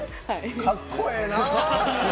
かっこええな！